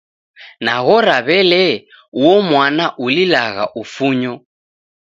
Naghora w'elee, uo mwana ulilagha ufunyo.